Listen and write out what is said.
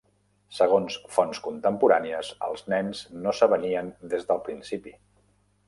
Segons fonts contemporànies, els nens no s'avenien des del principi.